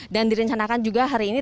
dan direncanakan juga hari ini